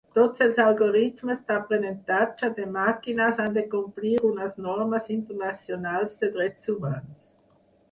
Tots els algoritmes d'aprenentatge de màquines han de complir unes normes internacionals de drets humans.